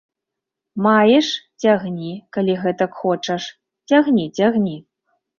Маеш, цягні, калі гэтак хочаш, цягні, цягні.